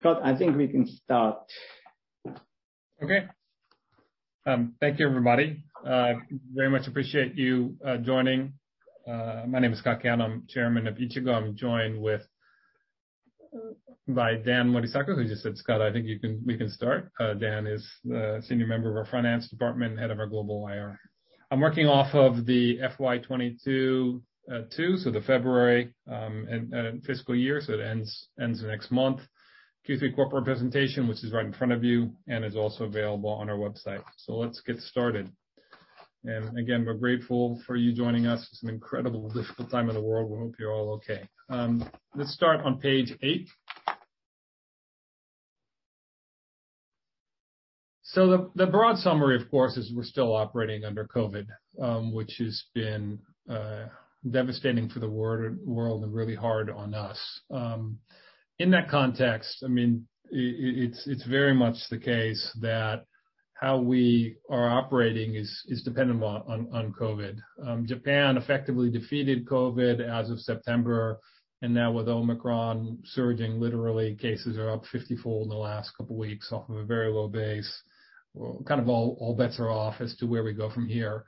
Scott, I think we can start. Okay. Thank you everybody. I very much appreciate you joining. My Name is Scott Callon. I'm Chairman of Ichigo. I'm joined by Dan Morisaku, who just said, "Scott, I think you can, we can start." Dan is the senior member of our finance department, head of our global IR. I'm working off of the FY 2022 Q3 corporate presentation, so the February and fiscal year, so it ends next month, which is right in front of you and is also available on our website. Let's get started. Again, we're grateful for you joining us. It's an incredibly difficult time in the world. We hope you're all okay. Let's start on page eight. The broad summary, of course, is we're still operating under COVID, which has been devastating for the world and really hard on us. In that context, I mean, it's very much the case that how we are operating is dependent on COVID. Japan effectively defeated COVID as of September, and now with Omicron surging, literally cases are up 54% in the last couple weeks off of a very low base. Well, kind of all bets are off as to where we go from here.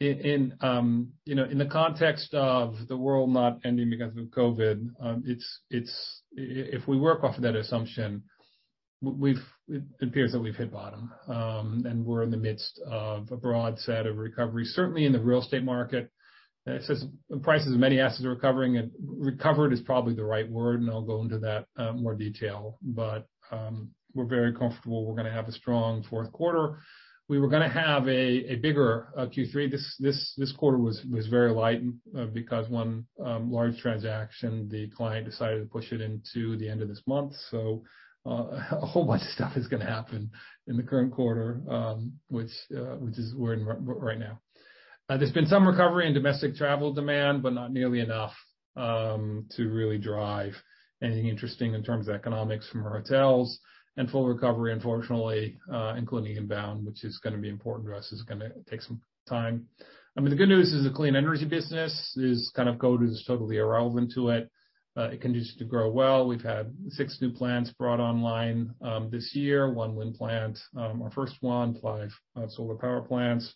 In, you know, in the context of the world not ending because of COVID, it's. If we work off of that assumption, it appears that we've hit bottom, and we're in the midst of a broad set of recovery. Certainly in the real estate market. It says prices of many assets are recovering. Recovered is probably the right word, and I'll go into that more detail. We're very comfortable we're gonna have a strong fourth quarter. We were gonna have a bigger Q3. This quarter was very light because one large transaction, the client decided to push it into the end of this month. A whole bunch of stuff is gonna happen in the current quarter, which is we're in right now. There's been some recovery in domestic travel demand, but not nearly enough to really drive anything interesting in terms of economics from our hotels. Full recovery, unfortunately, including inbound, which is gonna be important to us, is gonna take some time. I mean, the good news is the clean energy business is kind of COVID is totally irrelevant to it. It continues to grow well. We've had six new plants brought online this year. One wind plant, our first one. FIve solar power plants.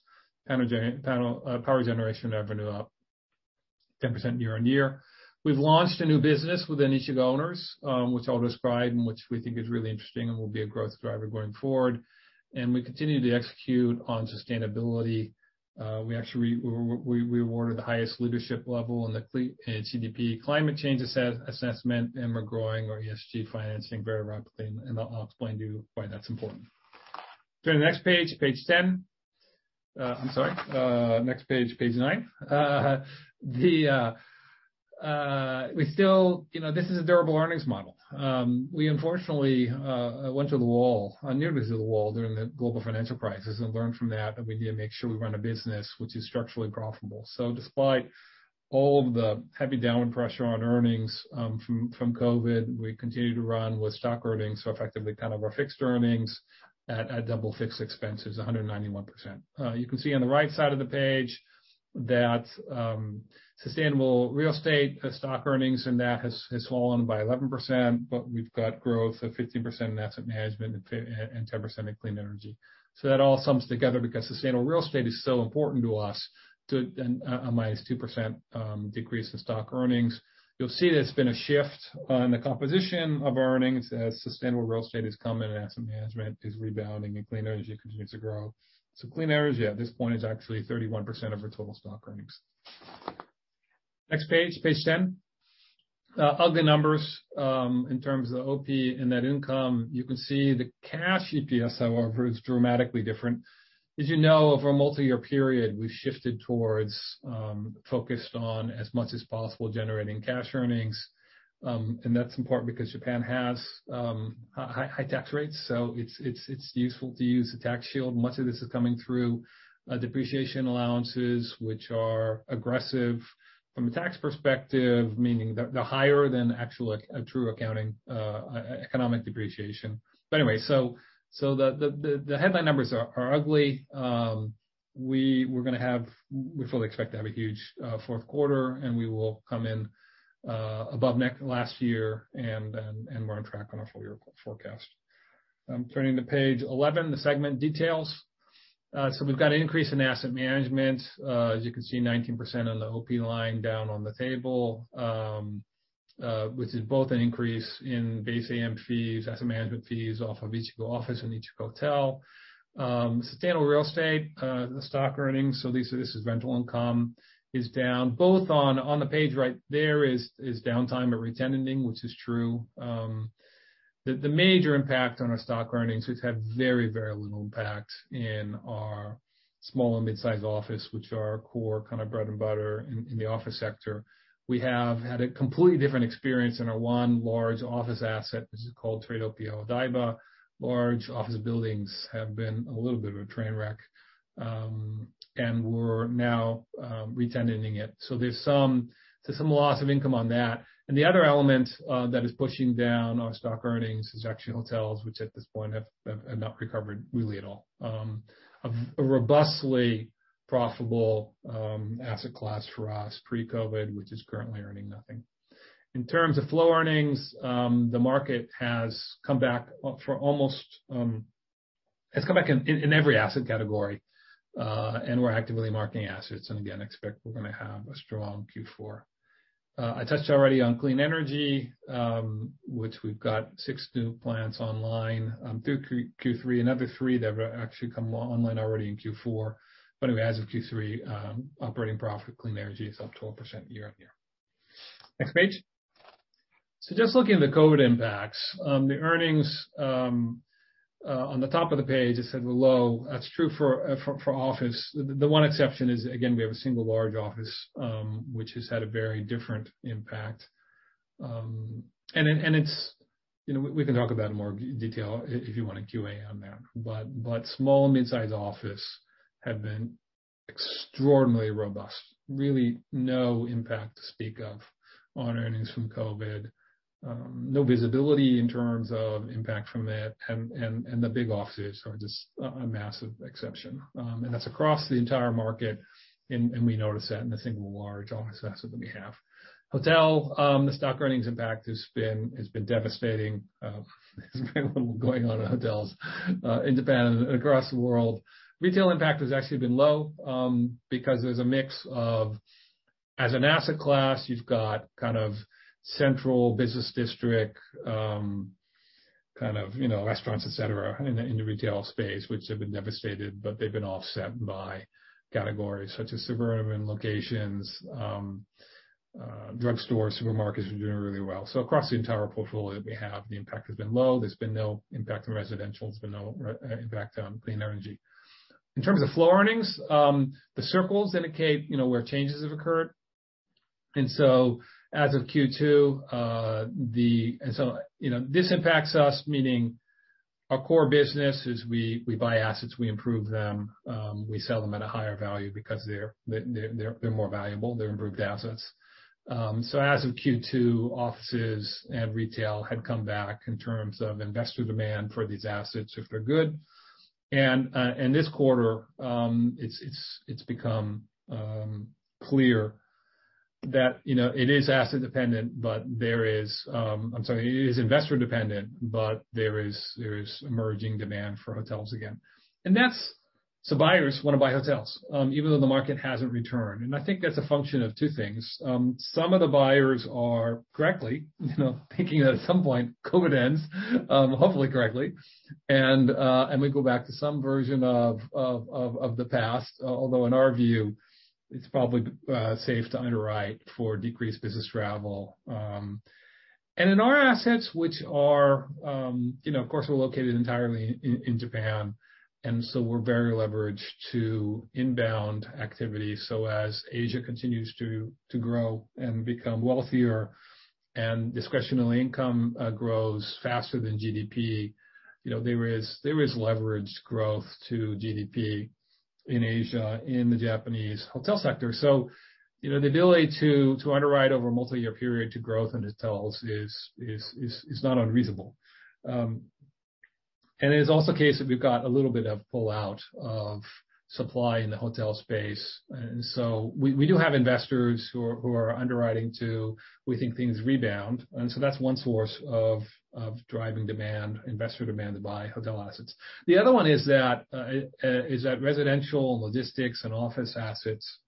Panel power generation revenue up 10% year-on-year. We've launched a new business within Ichigo Owners, which I'll describe and which we think is really interesting and will be a growth driver going forward. We continue to execute on sustainability. We actually were awarded the highest leadership level in the CDP Climate Change Assessment, and we're growing our ESG financing very rapidly, and I'll explain to you why that's important. Turn to the next page 10. I'm sorry, next page nine. The, we still... You know, this is a durable earnings model. We unfortunately went to the wall, nearly to the wall during the Global Financial Crisis and learned from that, and we need to make sure we run a business which is structurally profitable. Despite all the heavy downward pressure on earnings from COVID, we continue to run with stock earnings, so effectively kind of our fixed earnings at double fixed expenses, 191%. You can see on the right side of the page that sustainable real estate stock earnings, and that has fallen by 11%, but we've got growth of 15% in asset management and 10% in clean energy. That all sums together because sustainable real estate is so important to us too, and a -2% decrease in stock earnings. You'll see there's been a shift in the composition of earnings as sustainable real estate has come in and asset management is rebounding and clean energy continues to grow. Clean energy at this point is actually 31% of our total stock earnings. Next page 10. Ugly numbers in terms of the OP and net income. You can see the cash EPS, however, is dramatically different. As you know, over a multi-year period, we've shifted towards focusing on as much as possible generating cash earnings. And that's important because Japan has high tax rates, so it's useful to use the tax shield. Much of this is coming through depreciation allowances, which are aggressive from a tax perspective, meaning they're higher than actual true accounting economic depreciation. Anyway, the headline numbers are ugly. We fully expect to have a huge fourth quarter, and we will come in above last year, and we're on track on our full year forecast. I'm turning to page 11, the segment details. So we've got an increase in asset management. As you can see, 19% on the OP line down on the table, which is both an increase in base AM fees, asset management fees off of Ichigo Office and Ichigo Hotel. Sustainable real estate, the stock earnings, this is rental income is down both on the page right there is downtime re-tenanting, which is true. The major impact on our stock earnings, it's had very little impact in our small and mid-sized office, which are our core kind of bread and butter in the office sector. We have had a completely different experience in our one large office asset, which is called Tradepia Odaiba. Large office buildings have been a little bit of a train wreck. We're now re-tenanting it. There's some loss of income on that. The other element that is pushing down our stock earnings is actually hotels, which at this point have not recovered really at all. A robustly profitable asset class for us pre-COVID, which is currently earning nothing. In terms of flow earnings, the market has come back up for almost, it's come back in every asset category, and we're actively marketing assets. Again, we expect we're gonna have a strong Q4. I touched already on clean energy, which we've got six new plants online through Q3. Another three that were actually come online already in Q4. But as of Q3, operating profit clean energy is up 12% year-on-year. Next page. So just looking at the COVID impacts, the earnings on the top of the page, it said low. That's true for office. The one exception is, again, we have a single large office, which has had a very different impact. You know, we can talk about it in more detail if you want a QA on that. Small and midsize offices have been extraordinarily robust. Really no impact to speak of on earnings from COVID. No visibility in terms of impact from it. The big offices are just a massive exception. That's across the entire market, and we notice that in the single large office asset that we have. Hotel, the stock earnings impact has been devastating. There's been a little going on in hotels in Japan and across the world. Retail impact has actually been low, because there's a mix of, as an asset class, you've got kind of central business district, kind of, you know, restaurants, et cetera, in the, in the retail space, which have been devastated, but they've been offset by categories such as suburban locations, drug stores, supermarkets are doing really well. Across the entire portfolio that we have, the impact has been low. There's been no impact on residential. There's been no impact on clean energy. In terms of flow earnings, the circles indicate, you know, where changes have occurred. As of Q2, you know, this impacts us, meaning our core business is we buy assets, we improve them, we sell them at a higher value because they're more valuable. They're improved assets. As of Q2, offices and retail had come back in terms of investor demand for these assets if they're good. In this quarter, it's become clear that, you know, it is investor dependent, but there is emerging demand for hotels again. That's so buyers wanna buy hotels, even though the market hasn't returned. I think that's a function of two things. Some of the buyers are correctly, you know, thinking that at some point COVID ends, hopefully correctly. We go back to some version of the past. Although in our view, it's probably safe to underwrite for decreased business travel. Our assets, which are, you know, of course, we're located entirely in Japan, and so we're very leveraged to inbound activity. As Asia continues to grow and become wealthier and discretionary income grows faster than GDP, you know, there is leverage growth to GDP in Asia, in the Japanese hotel sector. You know, the ability to underwrite over a multi-year period to growth in hotels is not unreasonable. It is also the case that we've got a little bit of pull-out of supply in the hotel space. We do have investors who are underwriting to, we think, things rebound. That's one source of driving demand, investor demand to buy hotel assets. The other one is that residential logistics and office assets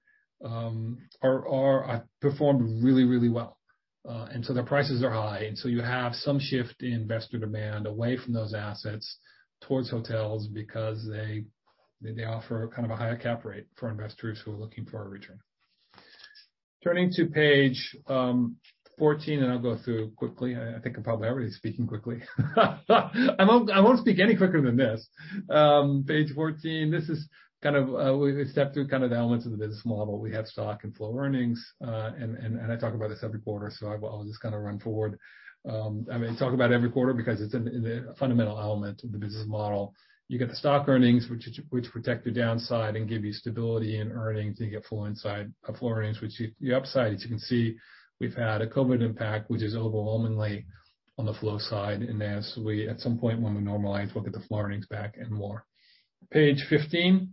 performed really well. Their prices are high. You have some shift in investor demand away from those assets towards hotels because they offer kind of a higher cap rate for investors who are looking for a return. Turning to page 14, I'll go through quickly. I think I'm probably already speaking quickly. I won't speak any quicker than this. Page 14, this is kind of we step through kind of the elements of the business model. We have stock and flow earnings. I talk about this every quarter, so I'll just kinda run forward. I mean, talk about it every quarter because it's a fundamental element of the business model. You got the stock earnings, which protect the downside and give you stability in earnings. You get flow earnings, which your upside, as you can see, we've had a COVID impact, which is overwhelmingly on the flow side. As we, at some point, when we normalize, we'll get the flow earnings back and more. Page 15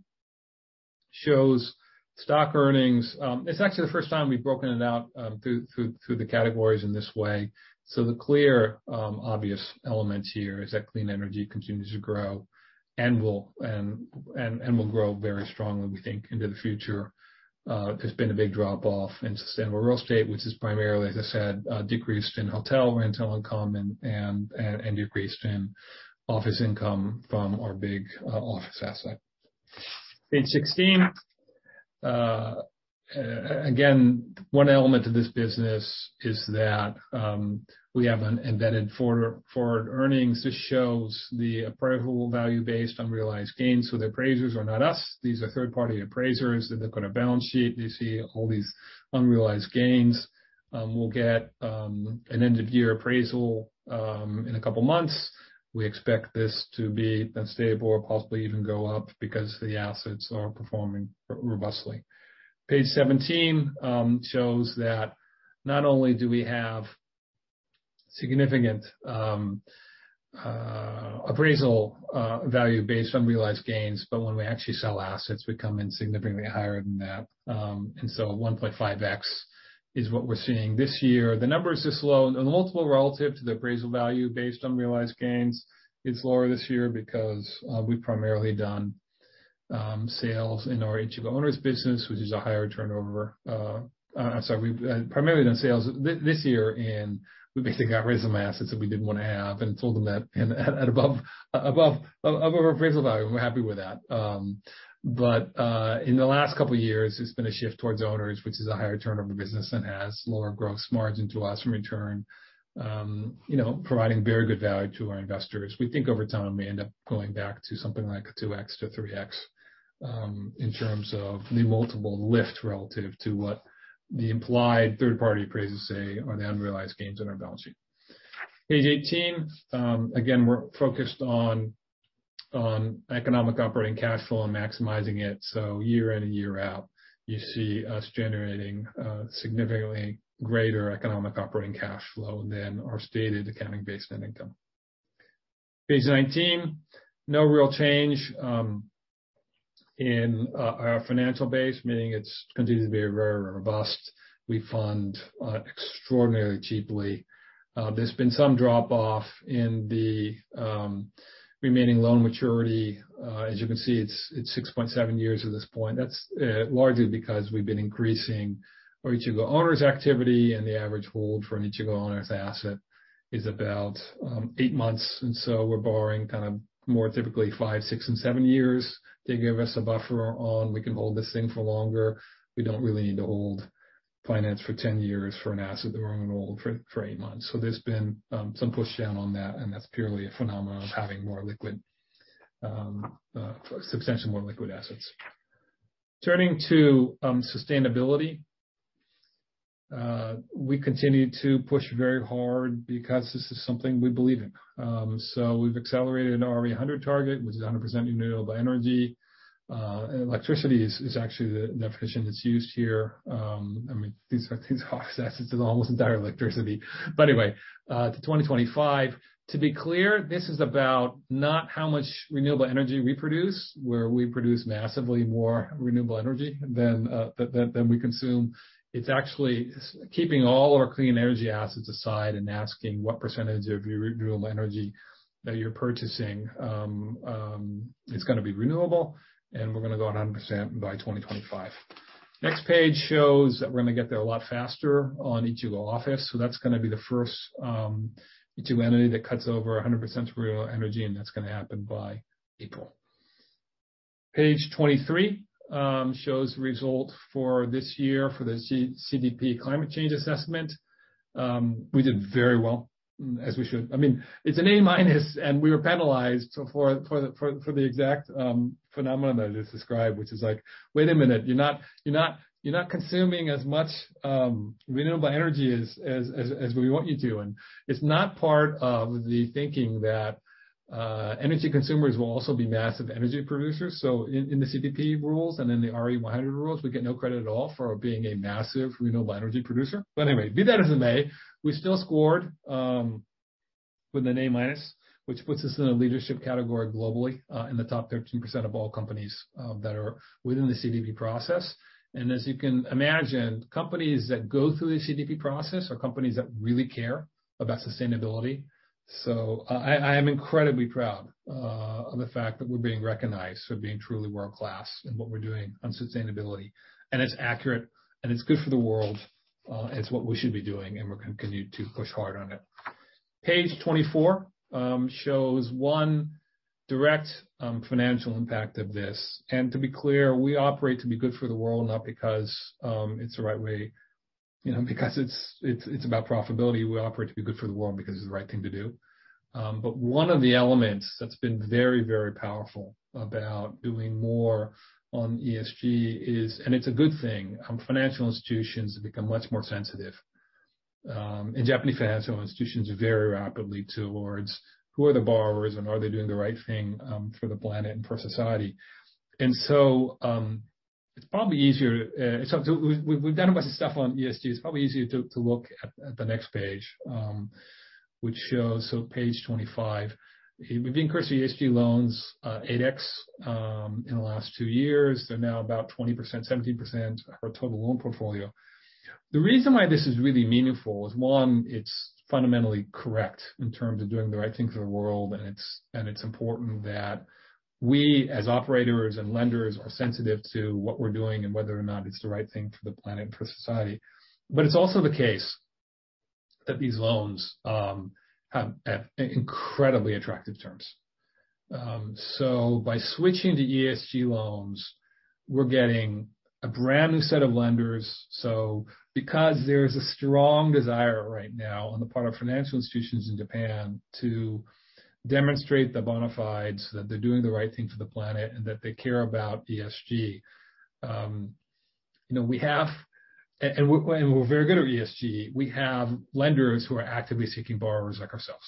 shows stock earnings. It's actually the first time we've broken it out through the categories in this way. The clear obvious element here is that clean energy continues to grow and will grow very strongly, we think, into the future. There's been a big drop-off in sustainable real estate, which is primarily, as I said, decrease in hotel rental income and decrease in office income from our big office asset. Page 16. Again, one element of this business is that we have an embedded forward earnings. This shows the appraisal value based on realized gains. The appraisers are not us. These are third-party appraisers. They look at our balance sheet, they see all these unrealized gains. We'll get an end-of-year appraisal in a couple of months. We expect this to be stable or possibly even go up because the assets are performing robustly. Page 17 shows that not only do we have significant appraisal value based on realized gains. When we actually sell assets, we come in significantly higher than that. 1.5x is what we're seeing this year. The number is this low, the multiple relative to the appraisal value based on realized gains is lower this year because we've primarily done sales in our Ichigo Owners business, which is a higher turnover. We've primarily done sales this year, and we basically got rid of some assets that we didn't want to have and sold them at above our appraisal value. We're happy with that. In the last couple of years, it's been a shift towards Owners, which is a higher turnover business and has lower gross margin to us from return, you know, providing very good value to our investors. We think over time, we end up going back to something like 2x-3x in terms of the multiple lift relative to what the implied third-party appraisers say are the unrealized gains in our balance sheet. Page 18. Again, we're focused on economic operating cash flow and maximizing it. Year in and year out, you see us generating significantly greater economic operating cash flow than our stated accounting-based net income. Page 19. No real change in our financial base, meaning it continues to be very robust. We fund extraordinarily cheaply. There's been some drop off in the remaining loan maturity. As you can see, it's 6.7 years at this point. That's largely because we've been increasing our Ichigo Owners activity, and the average hold for an Ichigo Owners asset is about eight months. We're borrowing kind of more typically five, six, and seven years to give us a buffer so we can hold this thing for longer. We don't really need to finance for 10 years for an asset that we're going to hold for eight months. There's been some pushdown on that, and that's purely a phenomenon of having substantially more liquid assets. Turning to sustainability. We continue to push very hard because this is something we believe in. We've accelerated an RE100 target, which is 100% renewable energy. Electricity is actually the definition that's used here. I mean, these are all assets. This is almost the entire electricity. Anyway, to 2025. To be clear, this is about not how much renewable energy we produce, where we produce massively more renewable energy than we consume. It's actually keeping all of our clean energy assets aside and asking what percentage of your renewable energy that you're purchasing is gonna be renewable, and we're gonna go 100% by 2025. Next page shows that we're gonna get there a lot faster on Ichigo Office. That's gonna be the first Ichigo entity that cuts over 100% renewable energy, and that's gonna happen by April. Page 23 shows the result for this year for the CDP Climate Change Assessment. We did very well, as we should. I mean, it's an A-minus, and we were penalized for the exact phenomenon that I just described, which is like, wait a minute, you're not consuming as much renewable energy as we want you to. It's not part of the thinking that energy consumers will also be massive energy producers. In the CDP rules and in the RE100 rules, we get no credit at all for being a massive renewable energy producer. Anyway, be that as it may, we still scored with an A-minus, which puts us in a leadership category globally in the top 13% of all companies that are within the CDP process. As you can imagine, companies that go through the CDP process are companies that really care about sustainability. I am incredibly proud of the fact that we're being recognized for being truly world-class in what we're doing on sustainability. It's accurate, and it's good for the world. It's what we should be doing, and we're gonna continue to push hard on it. Page 24 shows one direct financial impact of this. To be clear, we operate to be good for the world, not because it's the right way, you know, because it's about profitability. We operate to be good for the world because it's the right thing to do. One of the elements that's been very, very powerful about doing more on ESG is... It's a good thing, financial institutions have become much more sensitive, and Japanese financial institutions very rapidly towards who are the borrowers and are they doing the right thing, for the planet and for society. It's probably easier, so we've done a bunch of stuff on ESG. It's probably easier to look at the next page, which shows. Page 25. We've increased the ESG loans 8x in the last two years. They're now about 20%, 17% of our total loan portfolio. The reason why this is really meaningful is, one, it's fundamentally correct in terms of doing the right thing for the world, and it's important that we, as operators and lenders, are sensitive to what we're doing and whether or not it's the right thing for the planet and for society. It's also the case that these loans have incredibly attractive terms. By switching to ESG loans, we're getting a brand-new set of lenders. Because there's a strong desire right now on the part of financial institutions in Japan to demonstrate the bona fides that they're doing the right thing for the planet and that they care about ESG, you know, and we're very good at ESG. We have lenders who are actively seeking borrowers like ourselves.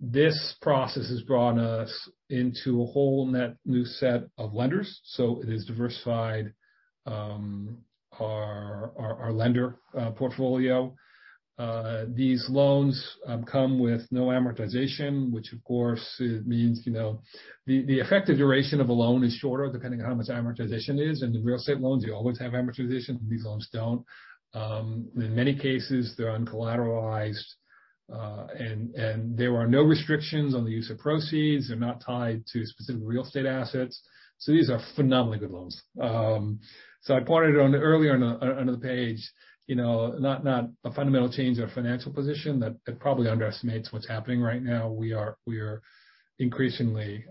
This process has brought us into a whole net new set of lenders. It has diversified our lender portfolio. These loans come with no amortization, which of course means, you know, the effective duration of a loan is shorter depending on how much amortization is. The real estate loans, you always have amortization, these loans don't. In many cases, they're uncollateralized, and there are no restrictions on the use of proceeds. They're not tied to specific real estate assets. These are phenomenally good loans. I pointed out earlier, on the page, you know, not a fundamental change in our financial position that it probably underestimates what's happening right now. We are increasingly,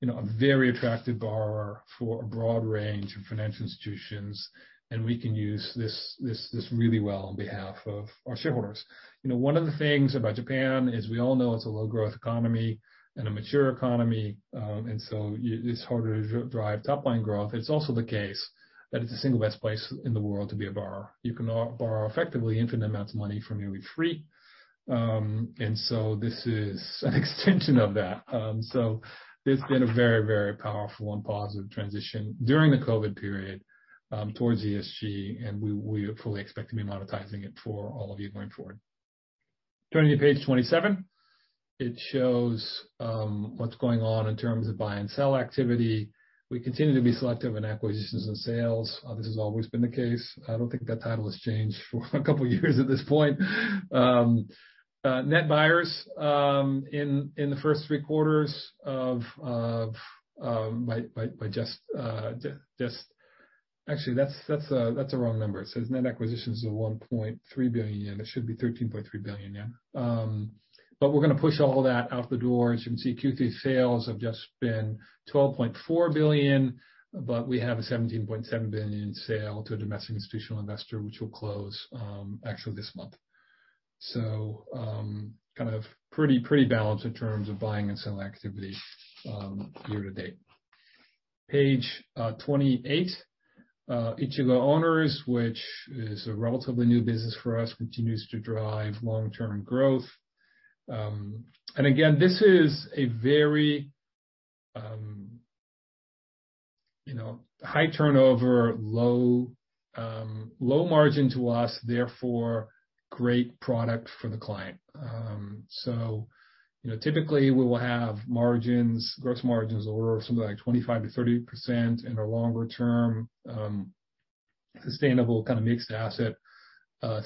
you know, a very attractive borrower for a broad range of financial institutions, and we can use this really well on behalf of our shareholders. You know, one of the things about Japan is we all know it's a low growth economy and a mature economy, and so it's harder to drive top line growth. It's also the case that it's the single best place in the world to be a borrower. You can borrow effectively infinite amounts of money for nearly free. This is an extension of that. It's been a very powerful and positive transition during the COVID period towards ESG, and we fully expect to be monetizing it for all of you going forward. Turning to page 27, it shows what's going on in terms of buy and sell activity. We continue to be selective in acquisitions and sales. This has always been the case. I don't think that title has changed for a couple of years at this point. Actually, that's a wrong number. It says net acquisition is 1.3 billion yen, it should be 13.3 billion yen, yeah. We're gonna push all that out the door. As you can see, Q3 sales have just been 12.4 billion, but we have a 17.7 billion sale to a domestic institutional investor, which will close actually this month. Kind of pretty balanced in terms of buying and selling activity, year to date. Page 28, Ichigo Owners, which is a relatively new business for us, continues to drive long-term growth. Again, this is a very, you know, high turnover, low margin to us, therefore great product for the client. You know, typically, we will have margins, gross margins of somewhere like 25%-30% in our longer term, sustainable kind of mixed asset,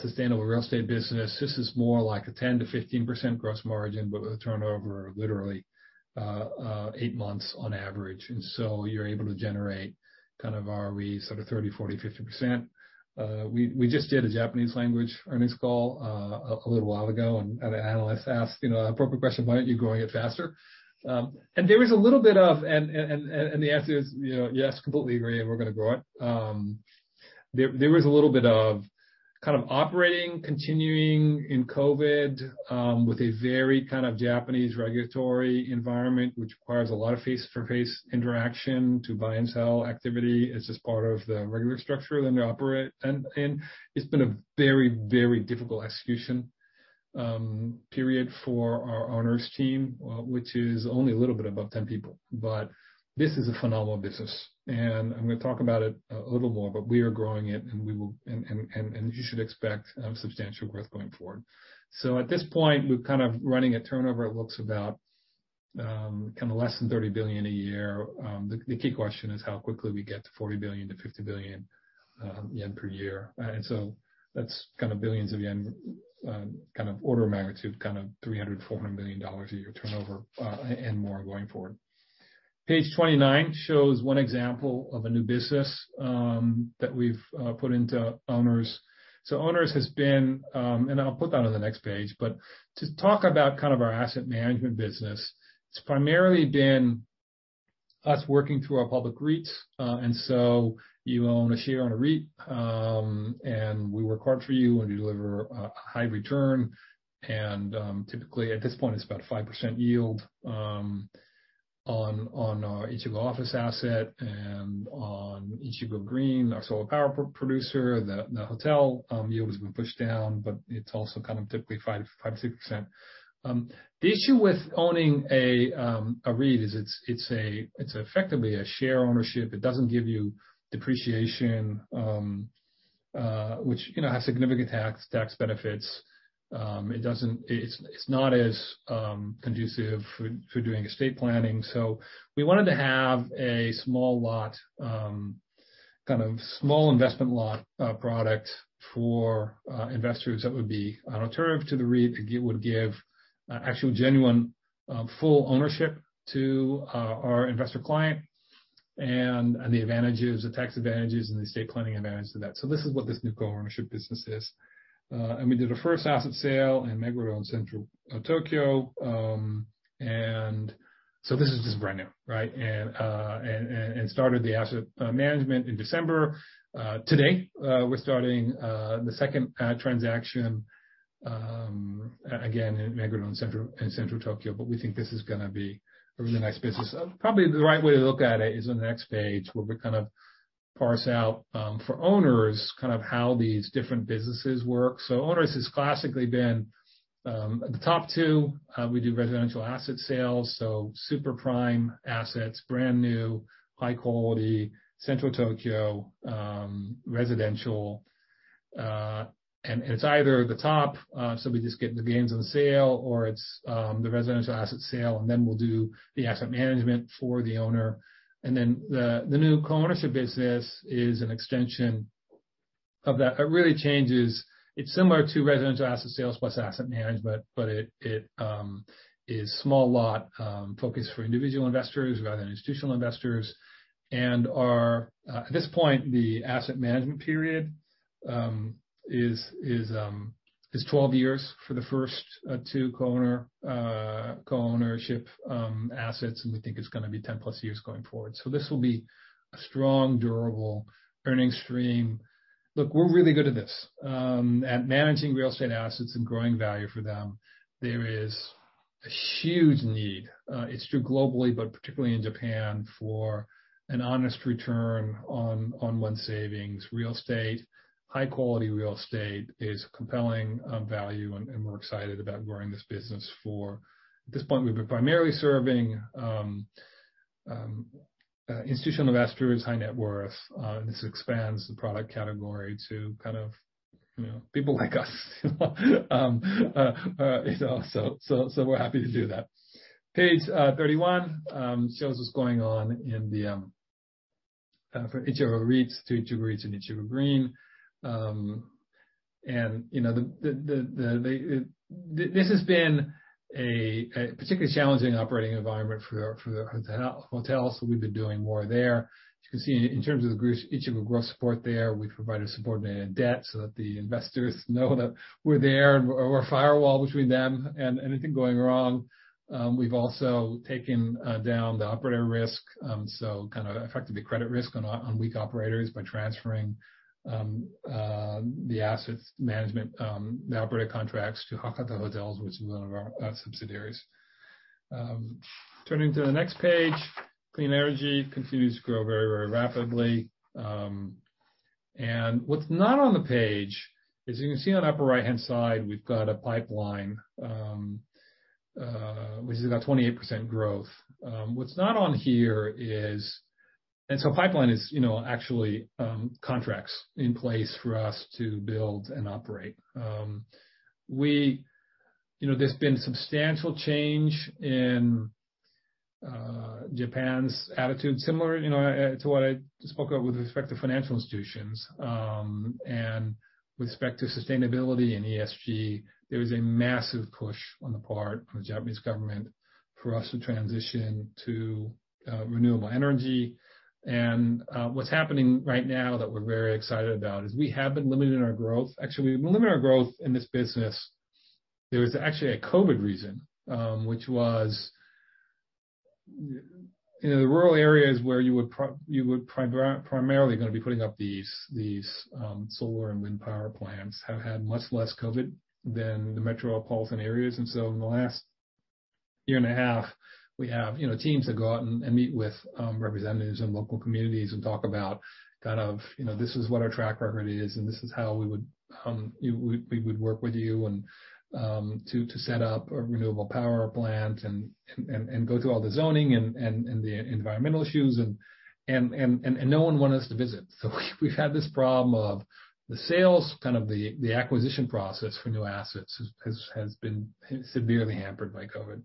sustainable real estate business. This is more like a 10%-15% gross margin, but with a turnover of literally, eight months on average. You're able to generate kind of our RE sort of 30%, 40%, 50%. We just did a Japanese language earnings call a little while ago, and an analyst asked, you know, an appropriate question, "Why aren't you growing it faster?" The answer is, you know, yes, completely agree, and we're going to grow it. There is a little bit of kind of operating continuing in COVID with a very kind of Japanese regulatory environment, which requires a lot of face-to-face interaction to buy and sell activity. It's just part of the regular structure that they operate. It's been a very difficult execution period for our Owners team, which is only a little bit above 10 people. This is a phenomenal business, and I'm going to talk about it a little more, but we are growing it and we will, and you should expect substantial growth going forward. At this point, we're kind of running a turnover. It looks about kind of less than 30 billion a year. The key question is how quickly we get to 40 billion-50 billion yen per year. That's kind of billions of yen, kind of order of magnitude, kind of $300 million-400 million a year turnover, and more going forward. Page 29 shows one example of a new business that we've put into Owners. Owners has been, and I'll put that on the next page. To talk about kind of our asset management business, it's primarily been us working through our public REITs, and so you own a share on a REIT, and we work hard for you, and we deliver a high return. Typically at this point, it's about a 5% yield on our Ichigo Office asset and on Ichigo Green, our solar power producer. The hotel yield has been pushed down, but it's also kind of typically 5%-6%. The issue with owning a REIT is it's effectively a share ownership. It doesn't give you depreciation, which you know has significant tax benefits. It's not as conducive for doing estate planning. We wanted to have a small lot, kind of small investment lot, product for investors that would be an alternative to the REIT. It would give actual genuine full ownership to our investor client, and the advantages, the tax advantages and the estate planning advantage to that. This is what this new co-ownership business is. We did a first asset sale in Meguro in Central Tokyo, and this is just brand new, right? We started the asset management in December. Today, we're starting the second transaction, again in Meguro in Central Tokyo. We think this is gonna be a really nice business. Probably the right way to look at it is on the next page, where we kind of parse out for Owners, kind of how these different businesses work. Owners has classically been the top two. We do residential asset sales, so super prime assets, brand new, high quality, Central Tokyo, residential. It's either the top, so we just get the gains on the sale or it's the residential asset sale, and then we'll do the asset management for the owner. The new co-ownership business is an extension of that. It really changes. It's similar to residential asset sales plus asset management, but it is small lot focused for individual investors rather than institutional investors. Our, at this point, the asset management period is 12 years for the first two co-ownership assets, and we think it's gonna be 10+ years going forward. This will be a strong, durable earning stream. Look, we're really good at this, at managing real estate assets and growing value for them. There is a huge need, it's true globally, but particularly in Japan, for an honest return on one's savings. Real estate, high quality real estate is compelling value, and we're excited about growing this business for... At this point, we've been primarily serving institutional investors, high net worth. This expands the product category to kind of, you know, people like us. You know, so we're happy to do that. Page 31 shows what's going on in the portfolio for Ichigo Hotel REIT, Ichigo Office REIT, and Ichigo Green. You know, this has been a particularly challenging operating environment for the hotels, so we've been doing more there. As you can see, in terms of the growth, Ichigo Group support there, we provided support and debt so that the investors know that we're there and we're a firewall between them and anything going wrong. We've also taken down the operator risk, so kind of affected the credit risk on weak operators by transferring the asset management, the operator contracts to Hakata Hotels, which is one of our subsidiaries. Turning to the next page, clean energy continues to grow very, very rapidly. What's not on the page is you can see on the upper right-hand side, we've got a pipeline, which is about 28% growth. Pipeline is, you know, actually, contracts in place for us to build and operate. You know, there's been substantial change in Japan's attitude, similar, you know, to what I spoke of with respect to financial institutions. With respect to sustainability and ESG, there is a massive push on the part of the Japanese government for us to transition to renewable energy. What's happening right now that we're very excited about is we have been limiting our growth. Actually, we've been limiting our growth in this business. There was actually a COVID reason, which was, you know, the rural areas where you would primarily gonna be putting up these solar and wind power plants have had much less COVID than the metropolitan areas. In the last year and a half, we have, you know, teams that go out and meet with representatives in local communities and talk about kind of, you know, this is what our track record is, and this is how we would, you know, we would work with you and to set up a renewable power plant and go through all the zoning and the environmental issues and everyone wants us to visit. We've had this problem of the acquisition process for new assets has been severely hampered by COVID.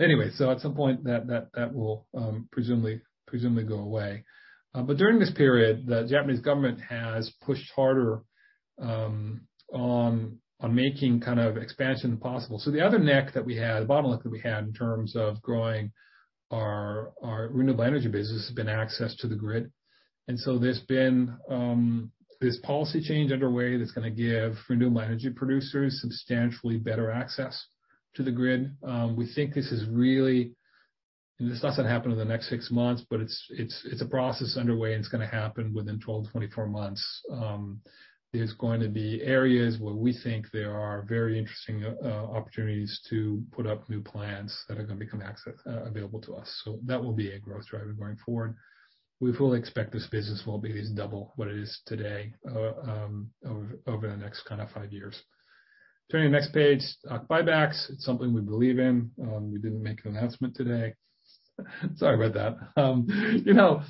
Anyway, at some point that will presumably go away. But during this period, the Japanese government has pushed harder on making kind of expansion possible. The other bottleneck that we had in terms of growing our renewable energy business has been access to the grid. There's been this policy change underway that's gonna give renewable energy producers substantially better access to the grid. We think this is really. This doesn't happen in the next six months, but it's a process underway, and it's gonna happen within 12-24 months. There's going to be areas where we think there are very interesting opportunities to put up new plants that are gonna become available to us. So that will be a growth driver going forward. We fully expect this business will be at least double what it is today over the next kind of five years. Turning to the next page, stock buybacks. It's something we believe in. We didn't make an announcement today. Sorry about that. You know,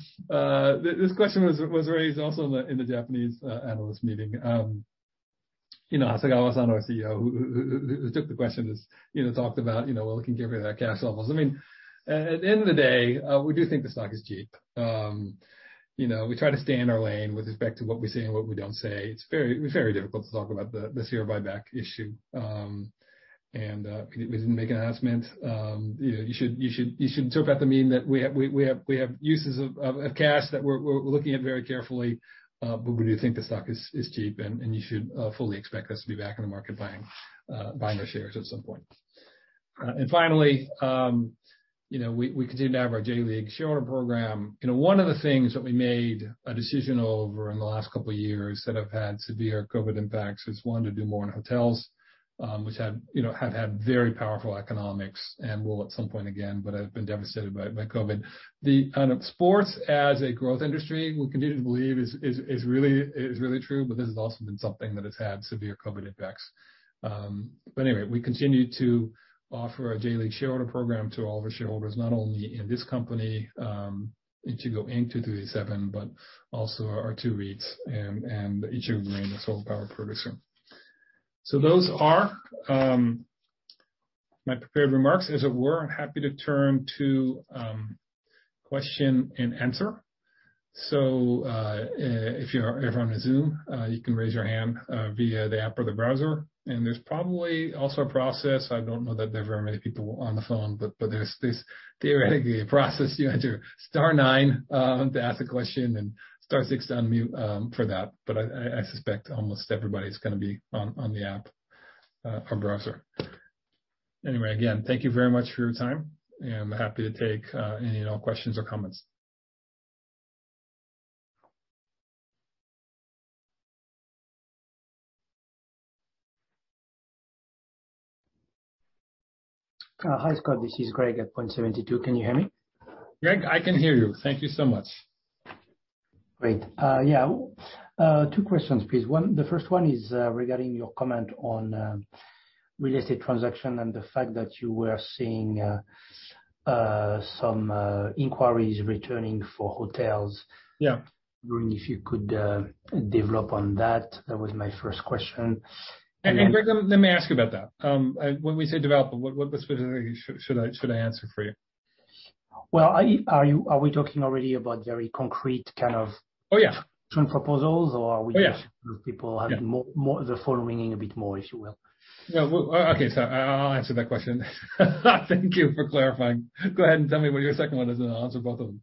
this question was raised also in the Japanese analyst meeting. You know, Hasegawa-san, our CEO, who took the question, you know, talked about, you know, well, we can get rid of that cash levels. I mean, at the end of the day, we do think the stock is cheap. You know, we try to stay in our lane with respect to what we say and what we don't say. It's very, very difficult to talk about the share buyback issue. We didn't make an announcement. You know, you should interpret it to mean that we have uses of cash that we're looking at very carefully, but we do think the stock is cheap, and you should fully expect us to be back in the market buying our shares at some point. Finally, you know, we continue to have our J.League shareholder program. You know, one of the things that we made a decision over in the last couple of years that have had severe COVID impacts is one, to do more in hotels, which have, you know, have had very powerful economics and will at some point again, but have been devastated by COVID. The kind of sports as a growth industry, we continue to believe is really true, but this has also been something that has had severe COVID impacts. Anyway, we continue to offer our J.League shareholder program to all of our shareholders, not only in this company, Ichigo Inc. 2337, but also our two REITs and Ichigo Green, the solar power producer. Those are my prepared remarks, as it were. I'm happy to turn to question and answer. If you're on Zoom, you can raise your hand via the app or the browser. There's probably also a process, I don't know that there are very many people on the phone, but there's theoretically a process. You enter star nine to ask a question and star six to unmute for that. I suspect almost everybody's gonna be on the app or browser. Anyway, again, thank you very much for your time, and happy to take any at all questions or comments. Hi, Scott, this is Greg at Point72. Can you hear me? Greg, I can hear you. Thank you so much. Great. Two questions, please. One. The first one is regarding your comment on real estate transaction and the fact that you were seeing some inquiries returning for hotels. Yeah. Wondering if you could develop on that. That was my first question. Greg, let me ask you about that. When we say develop, what specifically should I answer for you? Well, are we talking already about very concrete kind of? Oh, yeah. proposals? Or are we just- Oh, yeah. People have more, the phone ringing a bit more, if you will. Yeah. Well, okay, so I'll answer that question. Thank you for clarifying. Go ahead and tell me what your second one is, and I'll answer both of them.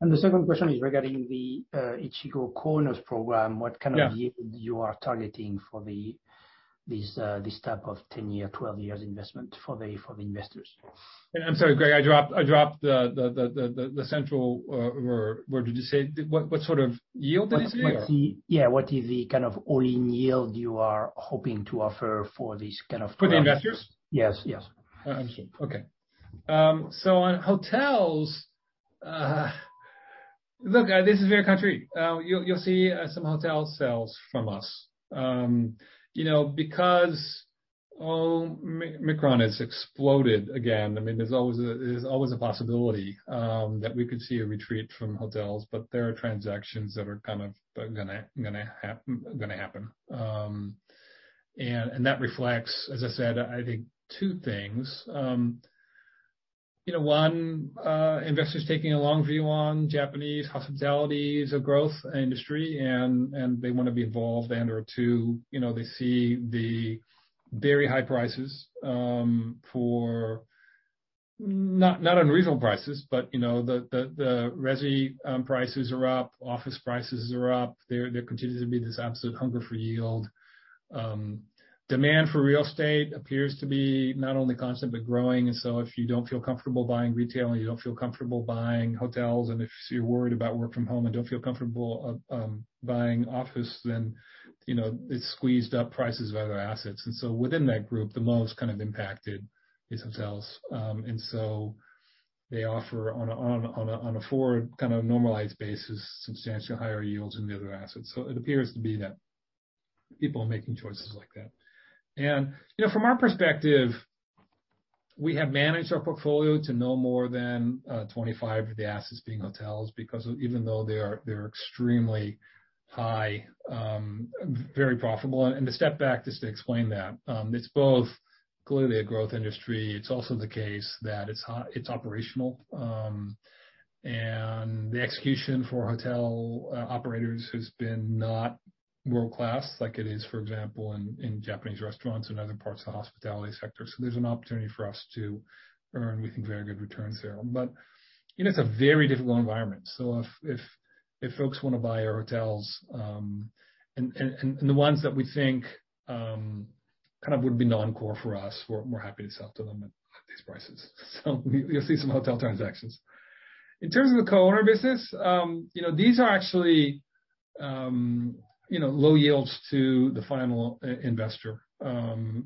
The second question is regarding the Ichigo Owners program. Yeah. What kind of yield you are targeting for this type of 10-year, 12 years investment for the investors? I'm sorry, Greg, I dropped the central or what did you say? What sort of yield did you say? What is the kind of all-in yield you are hoping to offer for this kind of- For the investors? Yes, yes. Okay. On hotels, look, this is very country-specific. You'll see some hotel sales from us. You know, because Omicron has exploded again, I mean, there's always a possibility that we could see a retreat from hotels, but there are transactions that are kind of gonna happen. That reflects, as I said, I think two things. You know, one, investors taking a long view on Japanese hospitality as a growth industry, and they wanna be involved. And/or two, you know, they see the very high prices for not unreasonable prices, but you know, the resi prices are up, office prices are up. There continues to be this absolute hunger for yield. Demand for real estate appears to be not only constant, but growing. If you don't feel comfortable buying retail and you don't feel comfortable buying hotels and if you're worried about work from home and don't feel comfortable buying office, then, you know, it's squeezed up prices of other assets. Within that group, the most kind of impacted is hotels. They offer on a forward kinda normalized basis, substantially higher yields than the other assets. It appears to be that people are making choices like that. From our perspective, you know, we have managed our portfolio to no more than 25 of the assets being hotels, because even though they are, they're extremely high, very profitable. To step back just to explain that, it's both clearly a growth industry. It's also the case that it's operational, and the execution for hotel operators has been not world-class like it is, for example, in Japanese restaurants and other parts of the hospitality sector. There's an opportunity for us to earn, we think, very good returns there. You know, it's a very difficult environment. If folks wanna buy our hotels, and the ones that we think kind of would be non-core for us, we're happy to sell to them at these prices. You'll see some hotel transactions. In terms of the co-owner business, you know, these are actually, you know, low yields to the final investor,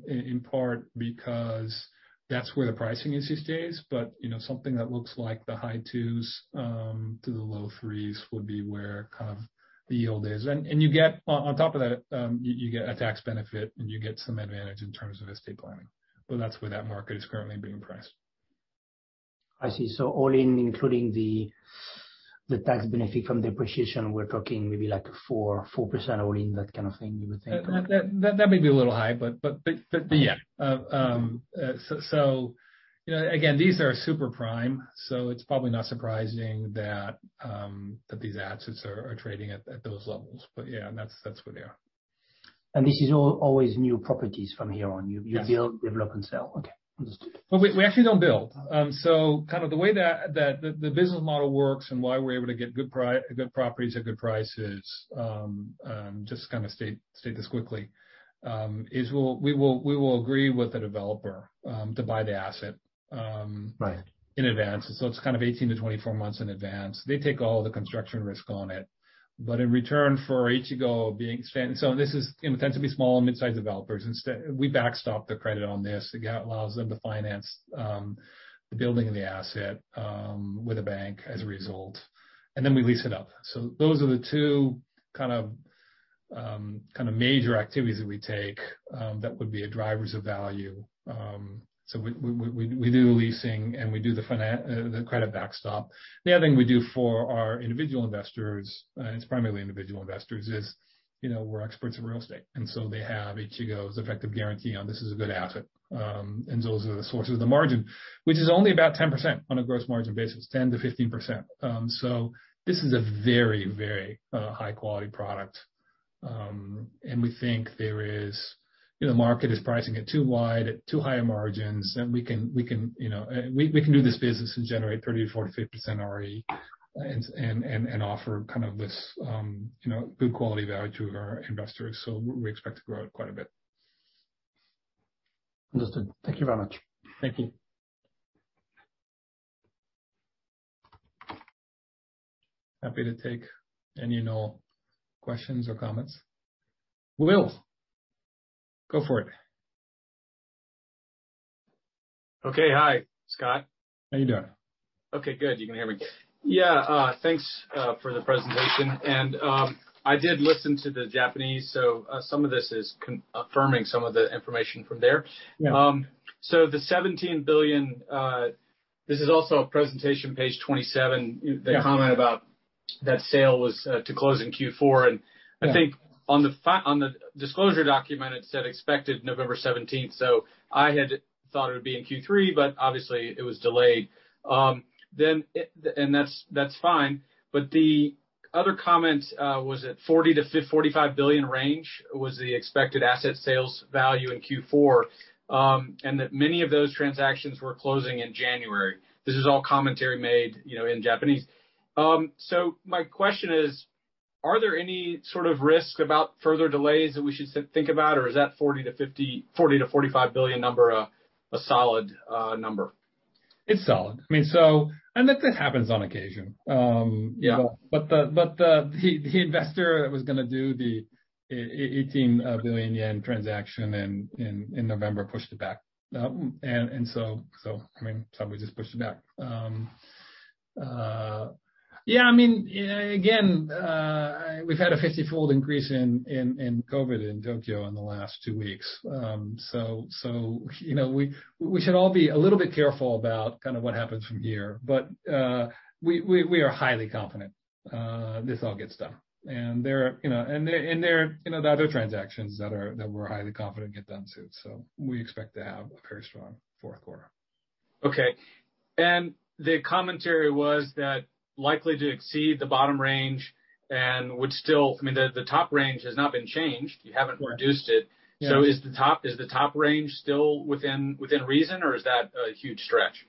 in part because that's where the pricing is these days. You know, something that looks like the high 2s to the low 3s would be where kind of the yield is. You get on top of that, you get a tax benefit, and you get some advantage in terms of estate planning. That's where that market is currently being priced. I see. All-in, including the tax benefit from depreciation, we're talking maybe like 4% all-in, that kind of thing, you would think? That may be a little high, but yeah. You know, again, these are super prime, so it's probably not surprising that these assets are trading at those levels. Yeah, that's where they are. This is always new properties from here on. Yes. You build, develop, and sell. Okay. Understood. Well, we actually don't build. Kind of the way that the business model works and why we're able to get good properties at good prices, just to kind of state this quickly, is we will agree with the developer to buy the asset. Right It's kind of 18-24 months in advance. They take all the construction risk on it. In return for Ichigo being this is, you know, tends to be small and mid-sized developers. Instead, we backstop the credit on this. Again, allows them to finance the building of the asset with a bank as a result. We lease it up. Those are the two kind of kind of major activities that we take that would be drivers of value. We do leasing, and we do the credit backstop. The other thing we do for our individual investors, and it's primarily individual investors, is, you know, we're experts in real estate, and so they have Ichigo's effective guarantee on this is a good asset. Those are the sources of the margin, which is only about 10% on a gross margin basis, 10%-15%. This is a very high quality product. We think there is. You know, the market is pricing it too wide at too high margins, and we can, you know, we can do this business and generate 30%-45% RE and offer kind of this, you know, good quality value to our investors. We expect to grow it quite a bit. Understood. Thank you very much. Thank you. Happy to take any and all questions or comments. Will, go for it. Okay. Hi, Scott. How you doing? Okay, good. You can hear me. Yeah. Thanks for the presentation. I did listen to the Japanese, so some of this is confirming some of the information from there. Yeah. The 17 billion. This is also a presentation, page 27. Yeah. The comment about that sale was to close in Q4. Yeah. I think on the disclosure document, it said expected November 17. I had thought it would be in Q3, but obviously it was delayed. That's fine. The other comment was the 40 billion-45 billion range was the expected asset sales value in Q4, and that many of those transactions were closing in January. This is all commentary made, you know, in Japanese. My question is, are there any sort of risks about further delays that we should think about, or is that 40 billion-45 billion number a solid number? It's solid. I mean, that happens on occasion. Yeah. The investor that was gonna do the 18 billion yen transaction in November pushed it back. I mean, somebody just pushed it back. Yeah, I mean, we've had a fiftyfold increase in COVID in Tokyo in the last two weeks. You know, we should all be a little bit careful about kind of what happens from here. We are highly confident this all gets done. There are, you know, the other transactions that we're highly confident get done too. We expect to have a very strong fourth quarter. Okay. The commentary was that likely to exceed the bottom range. I mean, the top range has not been changed. You haven't reduced it. Yeah. Is the top range still within reason or is that a huge stretch?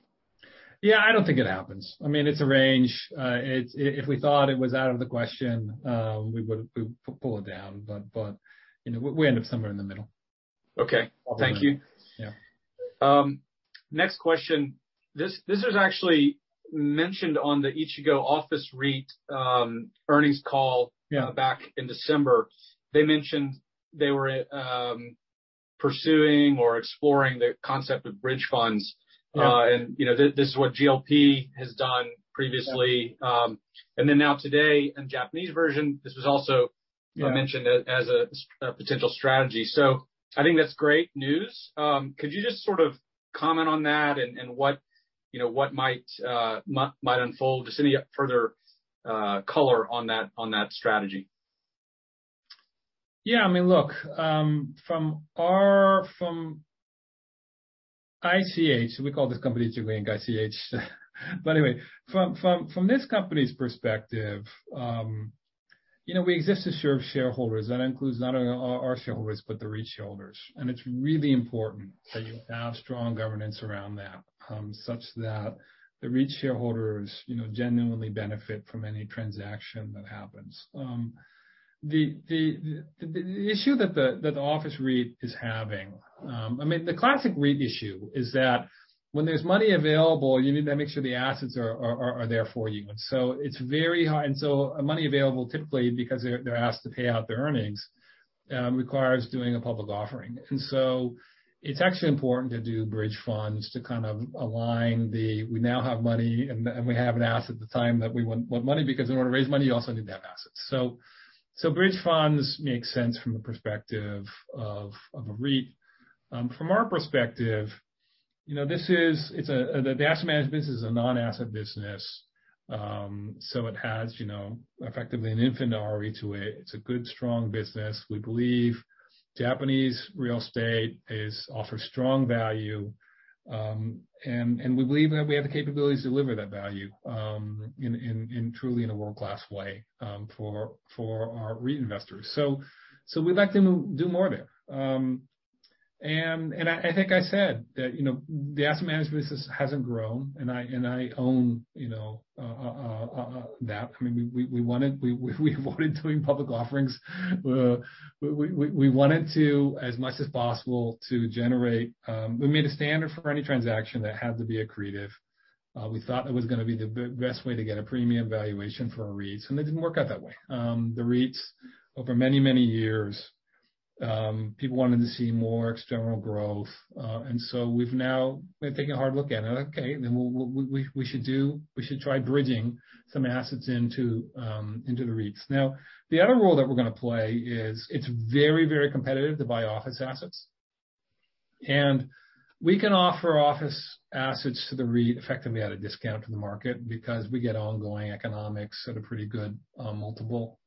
Yeah, I don't think it happens. I mean, it's a range. If we thought it was out of the question, we would pull it down, but you know, we end up somewhere in the middle. Okay. Thank you. Yeah. Next question. This was actually mentioned on the Ichigo Office REIT earnings call. Yeah... back in December. They mentioned they were pursuing or exploring the concept of bridge funds. Yeah. You know, this is what GLP has done previously. Yeah. Now today in Japanese version, this was also. Yeah... mentioned as a potential strategy. I think that's great news. Could you just sort of comment on that and what, you know, what might unfold? Just any further color on that strategy. Yeah, I mean, look, from ICH, we call this company Ichigo Inc., ICH. Anyway, from this company's perspective, you know, we exist to serve shareholders. That includes not only our shareholders, but the REIT shareholders. It's really important that you have strong governance around that, such that the REIT shareholders, you know, genuinely benefit from any transaction that happens. The issue that the office REIT is having, I mean, the classic REIT issue is that when there's money available, you need to make sure the assets are there for you. It's very hard. Money available typically because they're asked to pay out their earnings requires doing a public offering. It's actually important to do bridge funds to kind of align the we now have money and we have an asset at the time that we want money because in order to raise money, you also need to have assets. Bridge funds make sense from the perspective of a REIT. From our perspective, you know, the asset management business is a non-asset business, so it has, you know, effectively an infinite RE to it. It's a good, strong business. We believe Japanese real estate offers strong value and we believe that we have the capabilities to deliver that value in truly in a world-class way for our REIT investors. We'd like to do more there. I think I said that, you know, the asset management business hasn't grown, and I own that. I mean, we wanted to, as much as possible, to generate. We made a standard for any transaction that had to be accretive. We thought that was gonna be the best way to get a premium valuation for our REITs, and it didn't work out that way. The REITs, over many years, people wanted to see more external growth. We've now been taking a hard look at it. We should try bridging some assets into the REITs. Now, the other role that we're gonna play is it's very, very competitive to buy office assets. We can offer office assets to the REIT effectively at a discount to the market because we get ongoing economics at a pretty good multiple,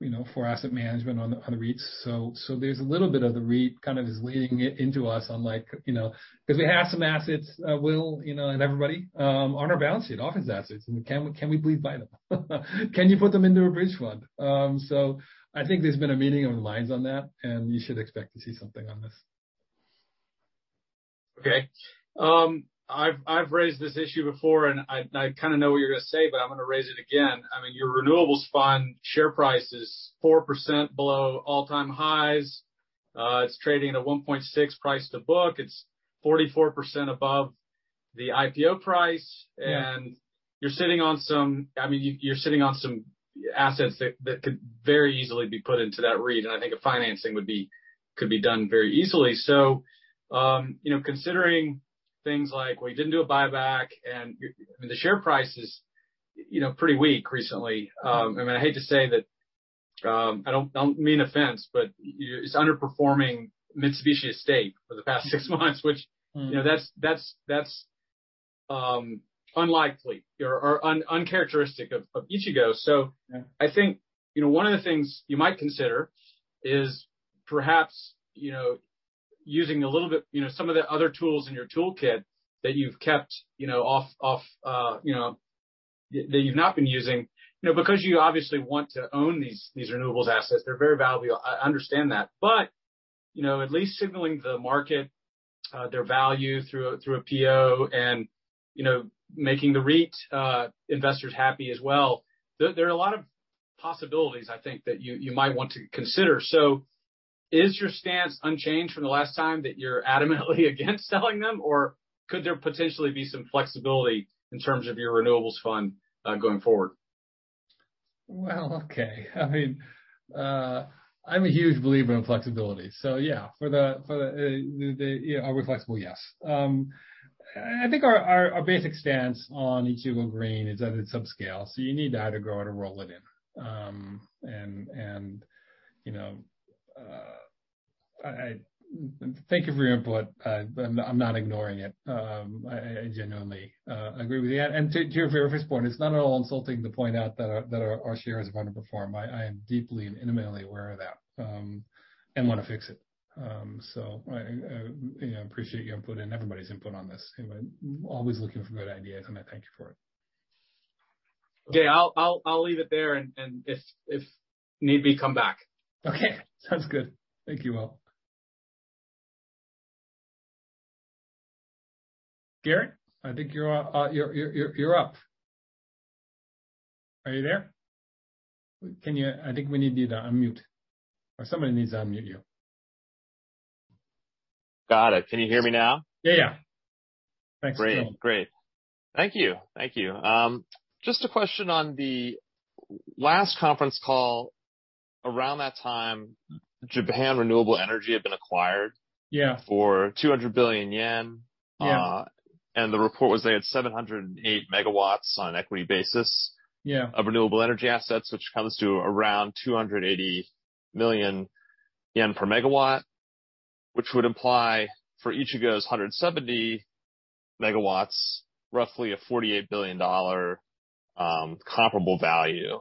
you know, for asset management on the REITs. There's a little bit of the REIT kind of is leading it into us on like, you know, because we have some assets, Will, you know, and everybody on our balance sheet, office assets, and can we please buy them. Can you put them into a bridge fund. I think there's been a meeting of the minds on that, and you should expect to see something on this. Okay. I've raised this issue before, and I kinda know what you're gonna say, but I'm gonna raise it again. I mean, your renewables fund share price is 4% below all-time highs. It's trading at 1.6 price to book. It's 44% above the IPO price. Yeah. You're sitting on some assets that could very easily be put into that REIT, and I think a financing could be done very easily. You know, considering things like we didn't do a buyback and I mean the share price is, you know, pretty weak recently. I mean, I hate to say that, I don't mean offense, but it's underperforming Mitsubishi Estate for the past six months, which, you know, that's unlikely or uncharacteristic of Ichigo. Yeah. I think, you know, one of the things you might consider is perhaps, you know, using a little bit, you know, some of the other tools in your toolkit that you've kept, you know, off, that you've not been using. You know, because you obviously want to own these renewables assets. They're very valuable. I understand that. But, you know, at least signaling the market their value through an IPO and, you know, making the REIT investors happy as well. There are a lot of possibilities, I think, that you might want to consider. Is your stance unchanged from the last time that you're adamantly against selling them, or could there potentially be some flexibility in terms of your renewables fund going forward? Well, okay. I mean, I'm a huge believer in flexibility, so yeah. Are we flexible? Yes. I think our basic stance on Ichigo Green is that it's subscale, so you need to either grow it or roll it in. You know, I thank you for your input. But I'm not ignoring it. I genuinely agree with you. To your very first point, it's not at all insulting to point out that our shares underperform. I am deeply and intimately aware of that, and wanna fix it. So I, you know, appreciate your input and everybody's input on this. I'm always looking for good ideas, and I thank you for it. Okay. I'll leave it there and if need be, come back. Okay. Sounds good. Thank you, Will. Garrett, I think you're up. Are you there? I think we need you to unmute, or somebody needs to unmute you. Got it. Can you hear me now? Yeah. Thanks. Great. Thank you. Just a question on the last conference call. Around that time, Japan Renewable Energy had been acquired- Yeah. For 200 billion yen. Yeah. The report was they had 708 MW on an equity basis. Yeah. Of renewable energy assets, which comes to around 280 million yen per megawatt, which would imply for each of those 170 MW, roughly a $48 billion comparable value.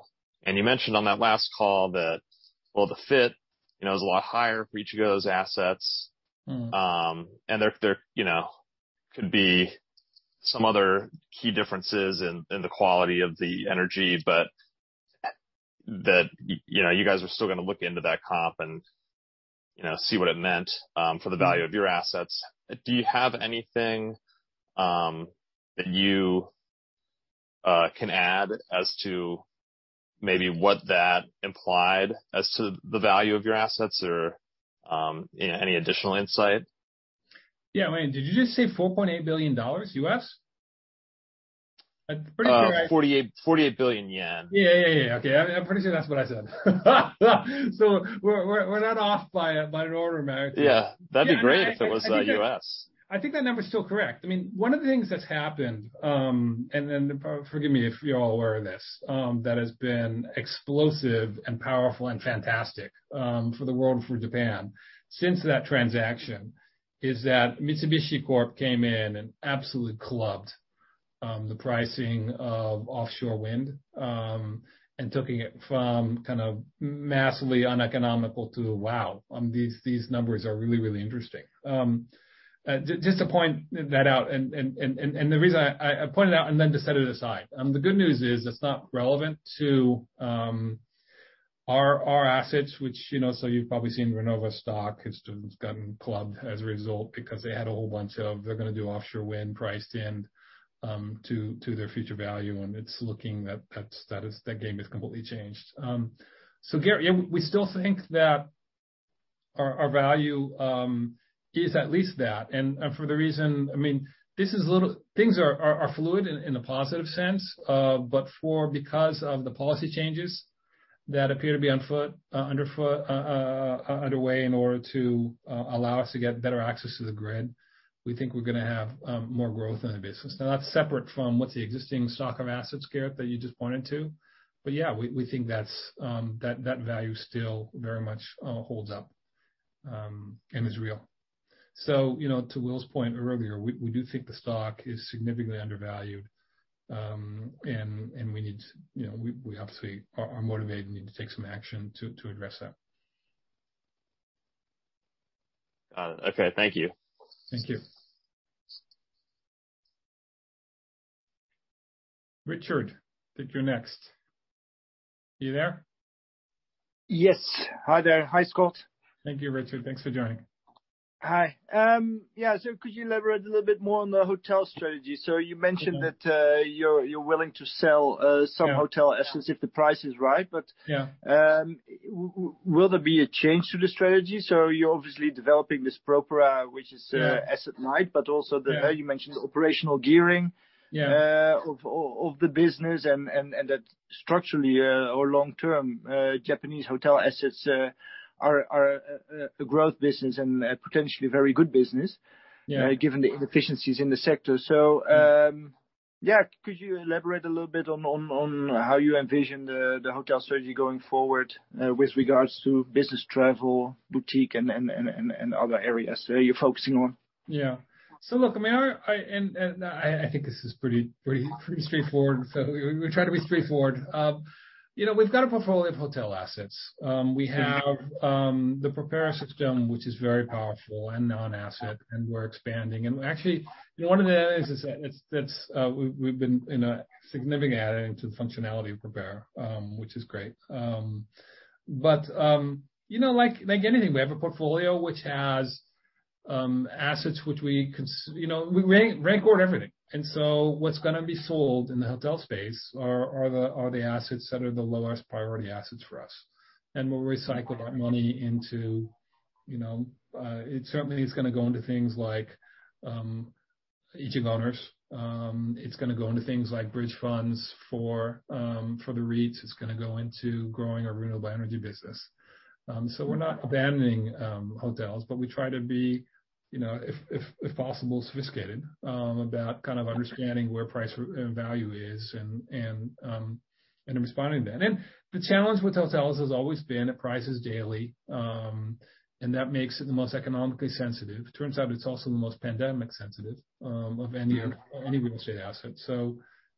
You mentioned on that last call that, well, the FIT, you know, is a lot higher for each of those assets. Mm-hmm. There you know could be some other key differences in the quality of the energy, but that you know you guys are still gonna look into that comp and you know see what it meant for the value of your assets. Do you have anything that you can add as to maybe what that implied as to the value of your assets or you know any additional insight? Yeah. I mean, did you just say $4.8 billion? I'm pretty sure I- 48 billion yen. Yeah, yeah. Okay. I'm pretty sure that's what I said. We're not off by an order of magnitude. Yeah. That'd be great if it was, U.S. I think that number is still correct. I mean, one of the things that's happened, and then forgive me if you're all aware of this, that has been explosive and powerful and fantastic, for the world and for Japan since that transaction is that Mitsubishi Corp came in and absolutely clubbed the pricing of offshore wind, and took it from kind of massively uneconomical to wow, these numbers are really, really interesting. Just to point that out and the reason I pointed out and then to set it aside. The good news is it's not relevant to our assets, which, you know, so you've probably seen RENOVA stock has just gotten clubbed as a result because they had a whole bunch of they're gonna do offshore wind priced in to their future value, and it's looking like that game has completely changed. Garrett, yeah, we still think that our value is at least that. For the reason, I mean, this is a little things are fluid in a positive sense, but because of the policy changes that appear to be underway in order to allow us to get better access to the grid. We think we're gonna have more growth in the business. Now, that's separate from what the existing stock of assets, Garrett, that you just pointed to. Yeah, we think that that value still very much holds up and is real. You know, to Will's point earlier, we do think the stock is significantly undervalued and we need you know we obviously are motivated and need to take some action to address that. Got it. Okay. Thank you. Thank you. Richard, I think you're next. You there? Yes. Hi, there. Hi, Scott. Thank you, Richard. Thanks for joining. Hi. Yeah, so could you elaborate a little bit more on the hotel strategy? You mentioned that you're willing to sell. Yeah. Some hotel assets if the price is right. Yeah. Will there be a change to the strategy? You're obviously developing this PROPERA, which is, Yeah. asset-light. Yeah. You mentioned the operational gearing. Yeah. of the business and that structurally or long-term Japanese hotel assets are a growth business and a potentially very good business. Yeah. Given the inefficiencies in the sector, could you elaborate a little bit on how you envision the hotel strategy going forward, with regards to business travel, boutique and other areas that you're focusing on? Look, I mean, I think this is pretty straightforward. We'll try to be straightforward. You know, we've got a portfolio of hotel assets. We have the PROPERA system, which is very powerful and asset-light, and we're expanding. Actually, one of the areas is that it's, we've been significantly adding to the functionality of PROPERA, which is great. You know, like anything, we have a portfolio which has assets. You know, we rank order everything. What's gonna be sold in the hotel space are the assets that are the lowest priority assets for us. We'll recycle that money into, you know, it certainly is gonna go into things like Ichigo Green. It's gonna go into things like bridge funds for the REITs. It's gonna go into growing our renewable energy business. We're not abandoning hotels, but we try to be, you know, if possible, sophisticated about kind of understanding where price and value is and responding to that. The challenge with hotels has always been it prices daily, and that makes it the most economically sensitive. Turns out it's also the most pandemic sensitive of any of- Mm-hmm. Any real estate asset.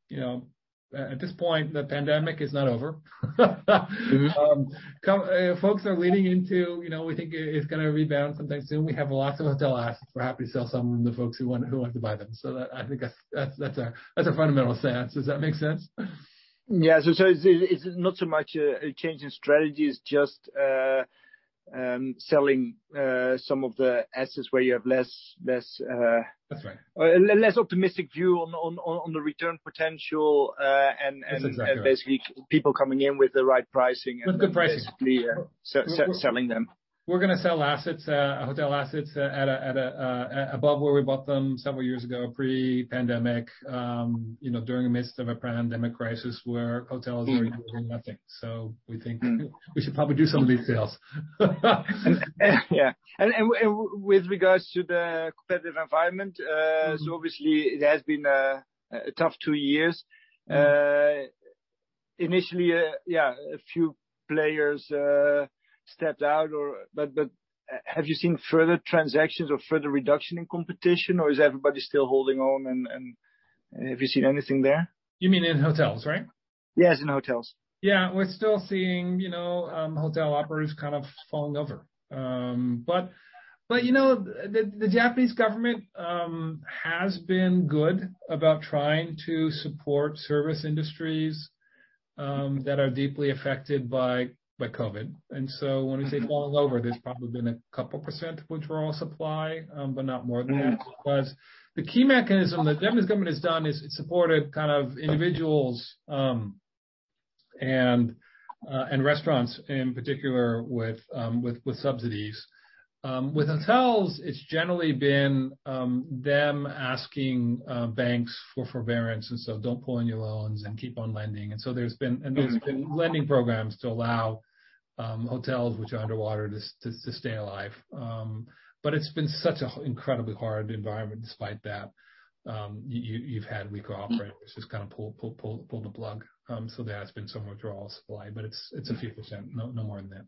You know, at this point, the pandemic is not over. Mm-hmm. Folks are leaning into, you know, we think it's gonna rebound sometime soon. We have lots of hotel assets. We're happy to sell some of them to folks who want to buy them. That, I think that's a fundamental stance. Does that make sense? Yeah. It's not so much a change in strategy, it's just selling some of the assets where you have less That's right. Less optimistic view on the return potential, and That's exactly it. Basically, people coming in with the right pricing and With good prices. Basically, selling them. We're gonna sell assets, hotel assets above where we bought them several years ago pre-pandemic, you know, during the midst of a pandemic crisis where hotels were doing nothing. We think we should probably do some of these sales. Yeah. With regards to the competitive environment, Mm-hmm. Obviously it has been a tough two years. Initially, a few players stepped out. Have you seen further transactions or further reduction in competition, or is everybody still holding on and have you seen anything there? You mean in hotels, right? Yes, in hotels. Yeah. We're still seeing, you know, hotel operators kind of falling over. You know, the Japanese government has been good about trying to support service industries that are deeply affected by COVID. When we say falling over, there's probably been a couple% withdrawal of supply, but not more than that. Mm-hmm. Plus, the key mechanism the Japanese government has done is it supported kind of individuals and restaurants in particular with subsidies. With hotels, it's generally been them asking banks for forbearance, and so don't pull any loans and keep on lending. There's been- Mm-hmm. There's been lending programs to allow hotels which are underwater to stay alive. It's been such an incredibly hard environment despite that. You've had weaker operators just kinda pull the plug. There has been some withdrawal of supply, but it's a few percent. No more than that.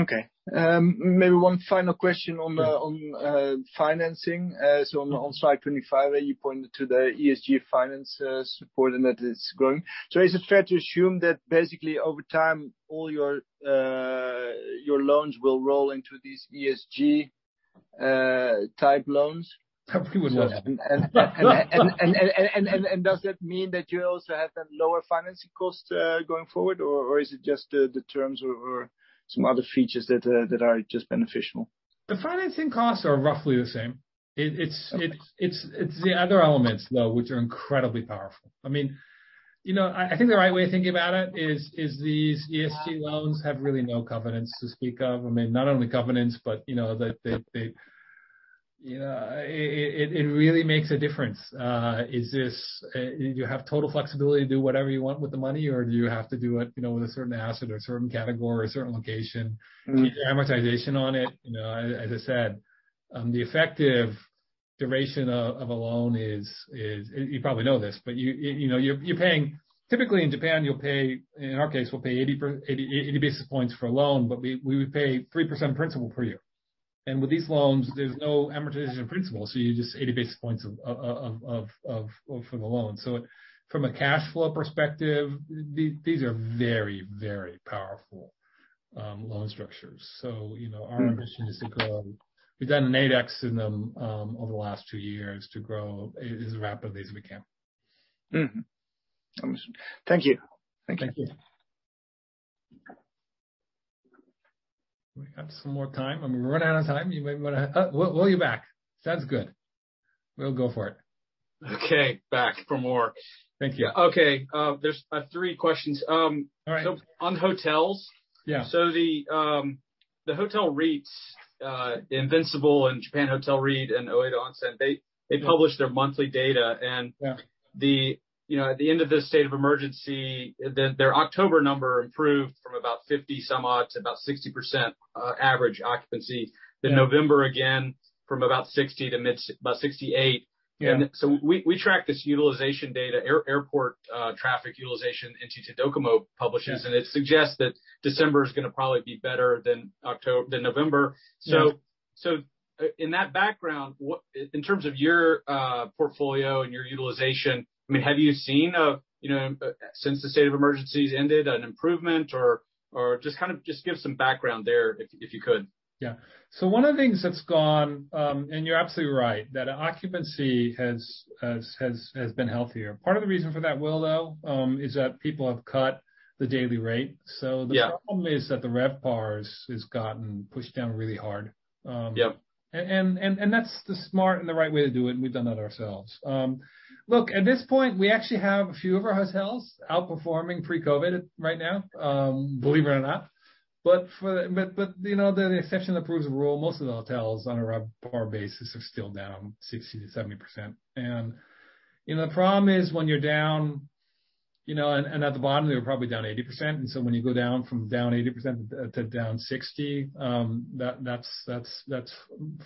Okay. Maybe one final question on the Sure. On financing, on slide 25, where you pointed to the ESG finance support and that it's growing. Is it fair to assume that basically, over time, all your loans will roll into these ESG type loans? We would love that. Does that mean that you also have that lower financing cost going forward, or is it just the terms or some other features that are just beneficial? The financing costs are roughly the same. It's the other elements, though, which are incredibly powerful. I mean, you know, I think the right way of thinking about it is these ESG loans have really no covenants to speak of. I mean, not only covenants but, you know, that they. You know, it really makes a difference, is this you have total flexibility to do whatever you want with the money or do you have to do it, you know, with a certain asset or a certain category or a certain location? Mm-hmm. Amortization on it. You know, as I said, the effective duration of a loan is. You probably know this, but you know, you're paying. Typically in Japan, you'll pay, in our case, we'll pay 80 basis points for a loan, but we would pay 3% principal per year. With these loans, there's no amortization of principal, so you're just 80 basis points of the loan. From a cash flow perspective, these are very powerful loan structures. You know, our mission is to grow. We've done an 8x in them over the last two years to grow as rapidly as we can. Understood. Thank you. Thank you. Thank you. We have some more time. I'm gonna run out of time. You might wanna. Will's back. Sounds good. Will go for it. Okay. Back for more. Thank you. Okay, there's three questions. All right. On hotels. Yeah. The hotel REITs, Invincible and Japan Hotel REIT and Ooedo Onsen, they publish their monthly data. Yeah. You know, at the end of this state of emergency, their October number improved from about 50%-something to about 60% average occupancy. Yeah. November again from about 60% to about 68%. Yeah. We track this utilization data, airport traffic utilization NTT DOCOMO publishes. Yeah. It suggests that December is gonna probably be better than November. Yeah. In that background, in terms of your portfolio and your utilization, I mean, have you seen, you know, since the state of emergency's ended, an improvement or just kind of give some background there if you could. Yeah. One of the things that's gone, and you're absolutely right, that occupancy has been healthier. Part of the reason for that well, though, is that people have cut the daily rate. Yeah. The problem is that the RevPAR has gotten pushed down really hard. Yep. That's the smart and the right way to do it, and we've done that ourselves. Look, at this point, we actually have a few of our hotels outperforming pre-COVID right now, believe it or not. You know, the exception that proves the rule, most of the hotels on a RevPAR basis are still down 60%-70%. You know, the problem is when you're down, you know, and at the bottom, they were probably down 80%. When you go down from down 80% to down 60%, that's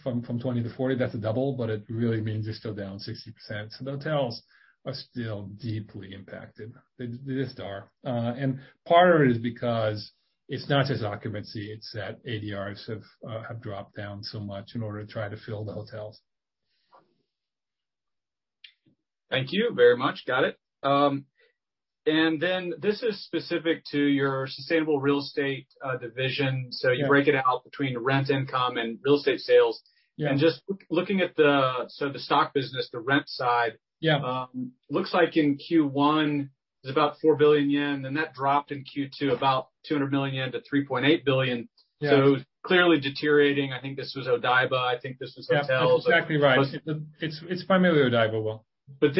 from 20% to 40%, that's a double, but it really means you're still down 60%. The hotels are still deeply impacted. They just are. Part of it is because it's not just occupancy, it's that ADRs have dropped down so much in order to try to fill the hotels. Thank you very much. Got it. This is specific to your sustainable real estate, division. Yeah. You break it out between rent income and real estate sales. Yeah. Just looking at the stock business, the rent side. Yeah. Looks like in Q1 it's about 4 billion yen, and that dropped in Q2 about 200 million yen to 3.8 billion. Yeah. Clearly deteriorating. I think this was Odaiba. I think this was hotels. Yeah. That's exactly right. It's primarily Odaiba, Will.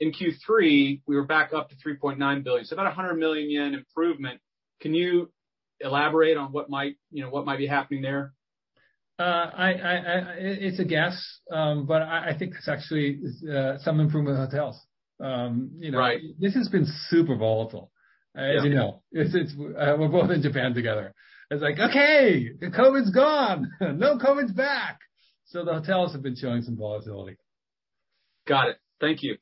in Q3, we were back up to 3.9 billion, so about 100 million yen improvement. Can you elaborate on what might, you know, be happening there? It's a guess, but I think it's actually some improvement in hotels. You know. Right. This has been super volatile. Yeah. As you know. We're both in Japan together. It's like, "Okay, the COVID's gone. No, COVID's back." The hotels have been showing some volatility. Got it. Thank you.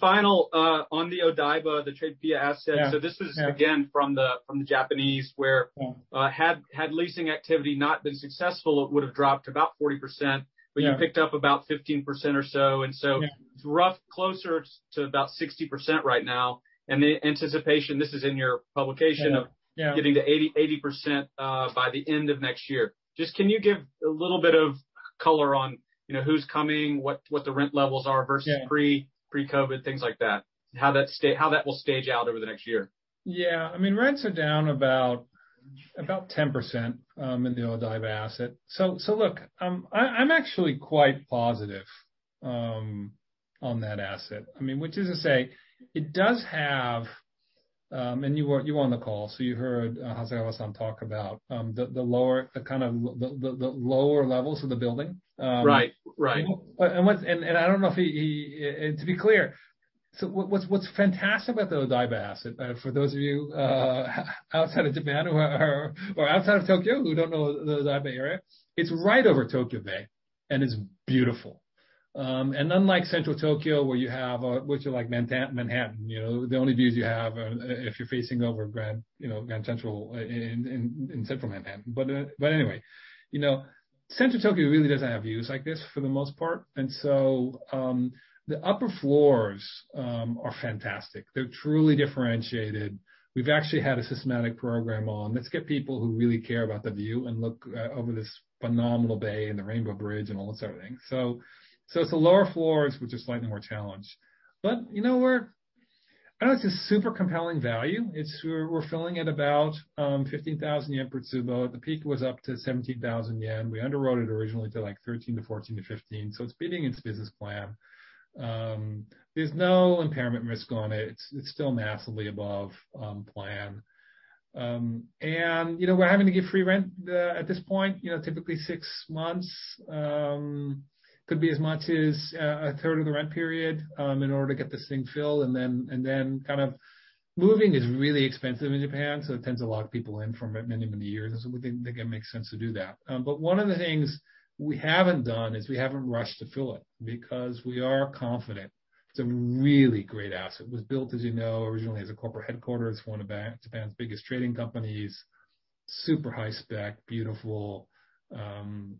Final, on the Odaiba, the Tradepia asset. Yeah. This is again from the Japanese where- Yeah... had leasing activity not been successful, it would have dropped about 40%. Yeah. You picked up about 15% or so. Yeah It's roughly closer to about 60% right now. The anticipation, this is in your publication. Yeah, yeah... of getting to 80% by the end of next year. Just, can you give a little bit of color on, you know, who's coming, what the rent levels are- Yeah versus pre pre-COVID, things like that? How that will stage out over the next year. Yeah. I mean, rents are down about 10% in the Odaiba asset. So look, I'm actually quite positive on that asset. I mean, which is to say it does have. You were on the call, so you heard Hasegawa-san talk about the lower levels of the building. Right. Right. To be clear, what's fantastic about the Odaiba asset for those of you outside of Japan or outside of Tokyo who don't know the Odaiba area, it's right over Tokyo Bay, and it's beautiful. Unlike Central Tokyo, where you have which are like Manhattan, you know, the only views you have are if you're facing over Grand you know Grand Central in Central Manhattan. Anyway, you know, Central Tokyo really doesn't have views like this for the most part. The upper floors are fantastic. They're truly differentiated. We've actually had a systematic program on let's get people who really care about the view and look over this phenomenal bay and the Rainbow Bridge and all that sort of thing. It's the lower floors which are slightly more challenged. You know, it's a super compelling value. It's filling at about 15,000 yen per tsubo. The peak was up to 17,000 yen. We underwrote it originally to, like, 13,000 to 14,000 to 15,000, so it's beating its business plan. There's no impairment risk on it. It's still massively above plan. You know, we're having to give free rent at this point, you know, typically six months, could be as much as 1/3 of the rent period, in order to get this thing filled and then. Moving is really expensive in Japan, so it tends to lock people in for many years. We think it makes sense to do that. One of the things we haven't done is we haven't rushed to fill it because we are confident it's a really great asset. It was built, as you know, originally as a corporate headquarters for one of Japan's biggest trading companies, super high spec, beautiful, and,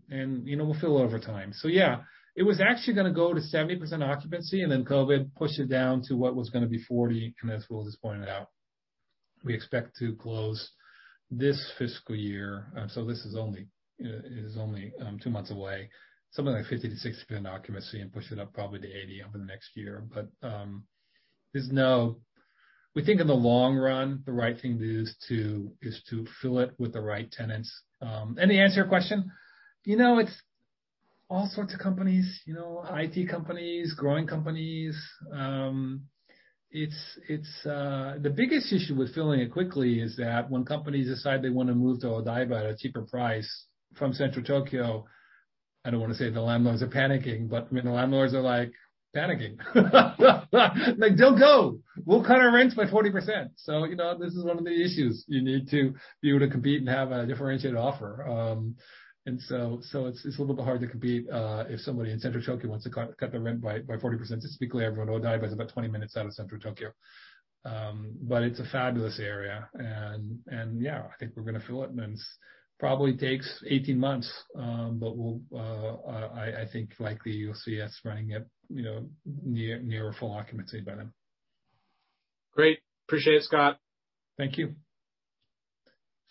you know, we'll fill over time. Yeah, it was actually gonna go to 70% occupancy, and then COVID pushed it down to what was gonna be 40%. As Will just pointed out, we expect to close this fiscal year, so this is only two months away, something like 50%-60% occupancy and push it up probably to 80% over the next year. We think in the long run, the right thing to do is to fill it with the right tenants. To answer your question, you know, it's all sorts of companies, you know, IT companies, growing companies. It's the biggest issue with filling it quickly is that when companies decide they wanna move to Odaiba at a cheaper price from Central Tokyo, I don't wanna say the landlords are panicking, but, I mean, the landlords are, like, panicking. Like, "Don't go. We'll cut our rents by 40%." You know, this is one of the issues. You need to be able to compete and have a differentiated offer. It's a little bit hard to compete if somebody in Central Tokyo wants to cut their rent by 40%. Just quickly, everyone, Odaiba is about 20 minutes out of Central Tokyo. It's a fabulous area, and yeah, I think we're gonna fill it and it's probably takes 18 months, but we'll, I think, likely you'll see us running it, you know, near full occupancy by then. Great. Appreciate it, Scott. Thank you.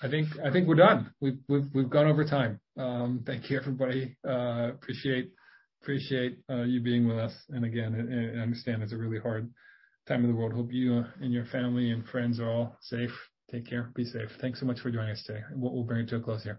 I think we're done. We've gone over time. Thank you, everybody. Appreciate you being with us. I understand it's a really hard time in the world. Hope you and your family and friends are all safe. Take care. Be safe. Thanks so much for joining us today. We'll bring it to a close here.